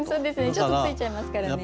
ちょっとついちゃいますからね。